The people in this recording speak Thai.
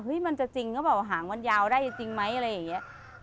มันจะจริงหรือเปล่าหางมันยาวได้จริงไหมอะไรอย่างนี้